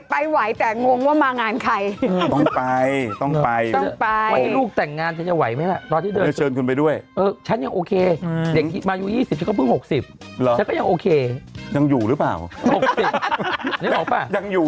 ไปหวังนี้วันเกิดพี่เบิร์ธ๖๐พี่เบิร์ธยังเป๊ะอยู่เลย